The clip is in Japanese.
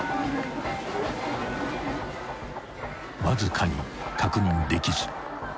［わずかに確認できず］